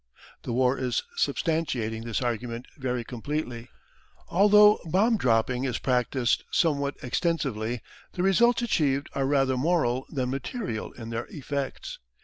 The war is substantiating this argument very completely. Although bomb dropping is practised somewhat extensively, the results achieved are rather moral than material in their effects.